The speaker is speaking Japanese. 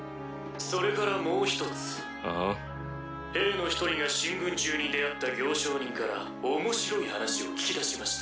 兵の１人が進軍中に出会った行商人から面白い話を聞き出しました。